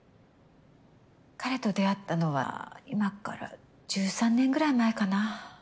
彼と出会ったのは今から１３年ぐらい前かな。